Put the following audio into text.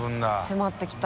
迫ってきた。